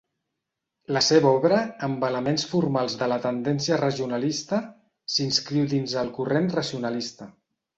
La seva obra, amb elements formals de la tendència regionalista, s'inscriu dins el corrent racionalista.